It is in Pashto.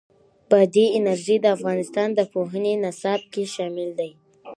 بادي انرژي د افغانستان د پوهنې نصاب کې شامل دي.